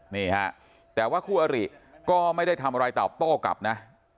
นี่ฮะแต่ว่าคู่อริก็ไม่ได้ทำอะไรตอบโต้กลับนะ